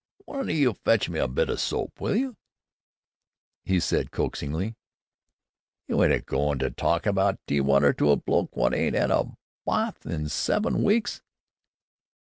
"One o' you fetch me a bit o' soap, will you?'" he said coaxingly. "You ain't a go'n' to talk about tea water to a bloke wot ain't 'ad a bawth in seven weeks?"